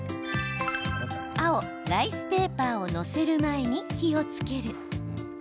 青・ライスペーパーを載せる前に火をつける。